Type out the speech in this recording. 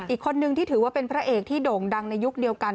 อีกคนนึงที่ถือว่าเป็นพระเอกที่โด่งดังในยุคเดียวกัน